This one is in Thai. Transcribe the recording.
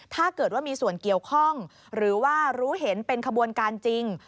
ถ้าเกิดว่ามีส่วนเกี่ยวข้องหรือว่ารู้เห็นเป็นขบวนการจริง